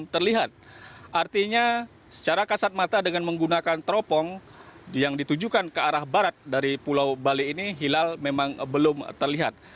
terlihat artinya secara kasat mata dengan menggunakan teropong yang ditujukan ke arah barat dari pulau bali ini hilal memang belum terlihat